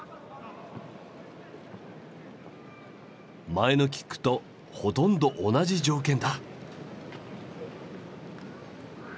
前のキックとほとんど同じ条件だ。